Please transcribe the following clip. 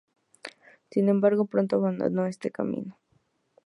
Sin embargo, pronto abandonó ese camino.